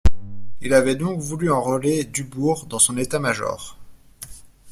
Il avait donc voulu enrôler Dubourg dans son état-major.